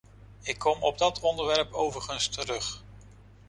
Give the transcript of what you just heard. Ik kom op dat onderwerp overigens terug.